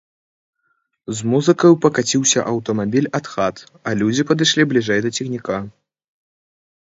З музыкаю пакаціўся аўтамабіль ад хат, а людзі падышлі бліжэй да цягніка.